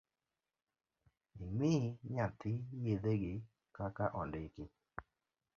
Imi nyathi yedhegi kaka ondiki